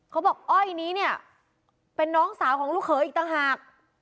อ้อยนี้เนี่ยเป็นน้องสาวของลูกเขยอีกต่างหาก